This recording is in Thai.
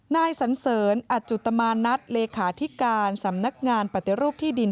นายสันเสริญอัจจุตมานัทเลขาธิการสำนักงานปฏิรูปที่ดิน